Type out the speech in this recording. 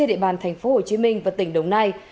địa bàn tp hcm và tỉnh đồng nai